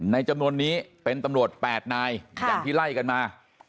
ในจำนวนนี้เป็นตำลวดแปดนายค่ะที่ไล่กันมา